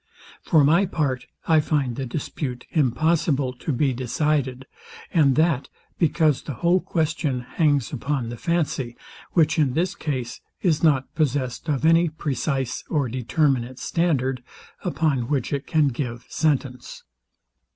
For my part I find the dispute impossible to be decided, and that because the whole question hangs upon the fancy, which in this case is not possessed of any precise or determinate standard, upon which it can give sentence.